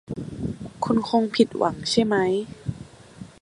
คุณคงผิดหวังใช่ไหม